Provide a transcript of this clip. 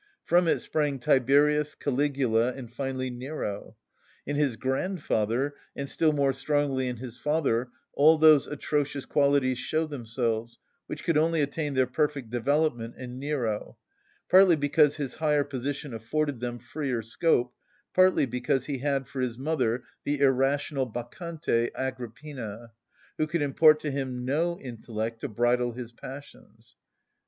From it sprang Tiberius, Caligula, and finally Nero. In his grandfather, and still more strongly in his father, all those atrocious qualities show themselves, which could only attain their perfect development in Nero, partly because his higher position afforded them freer scope, partly because he had for his mother the irrational Bacchante, Agrippina, who could impart to him no intellect to bridle his passions.